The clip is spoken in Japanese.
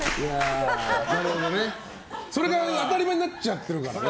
それが当たり前になっちゃってるからね。